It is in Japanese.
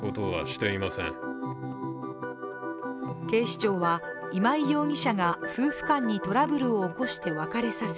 警視庁は今井容疑者が夫婦間にトラブルを起こして別れさせ